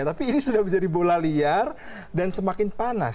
tapi ini sudah menjadi bola liar dan semakin panas